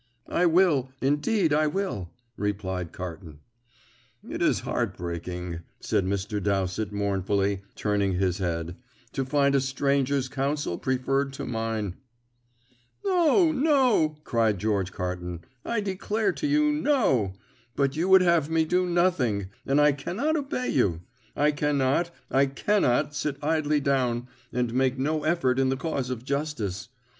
"I will, indeed I will," replied Carton. "It is heartbreaking," said Mr. Dowsett mournfully, turning his head, "to find a stranger's counsel preferred to mine." "No, no," cried George Carton, "I declare to you, no! But you would have me do nothing, and I cannot obey you. I cannot I cannot sit idly down, and make no effort in the cause of justice.